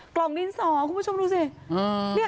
กล่องดินสอคุณผู้ชมดูสิ